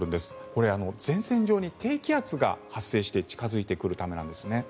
これは前線上に低気圧が発生して近付いてくるためなんですね。